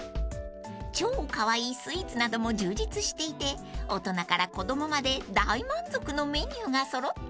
［超カワイイスイーツなども充実していて大人から子供まで大満足のメニューが揃っています］